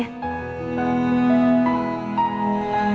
mbak disini ada lowongan pekerjaan gak